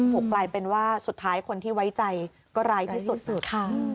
ปลูกไลน์เป็นว่าสุดท้ายคนที่ไว้ใจก็ไร้ที่สุด